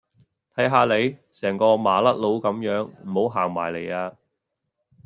睇下你，成個麻甩佬甘樣，唔好行埋黎呀